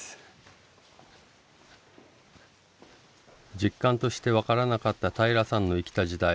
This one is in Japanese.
実感として分からなかった平良さんの生きた時代。